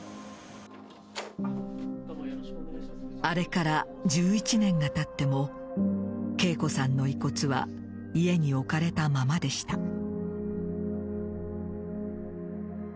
あれから１１年が経っても桂子さんの遺骨は家に置かれたままでした。